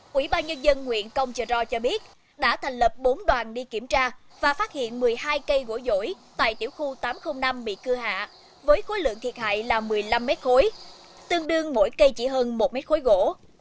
quỹ ba nhân dân huyện công chờ ro cho biết đã thành lập bốn đoàn đi kiểm tra và phát hiện một mươi hai cây gỗ dỗi tại tiểu khu tám trăm linh năm bị cưa hạ với khối lượng thiệt hại là một mươi năm mét khối tương đương mỗi cây chỉ hơn một mét khối gỗ